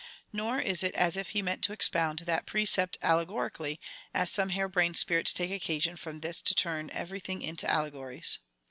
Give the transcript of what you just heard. Nor is it as if he meant to expound that precejit allegorically, as some hair brained spirits take occasion from this to turn every thing into allegories.